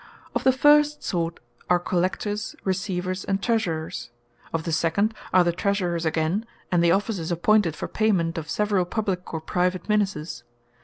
Of the first sort, are Collectors, Receivers, and Treasurers; of the second are the Treasurers againe, and the Officers appointed for payment of severall publique or private Ministers.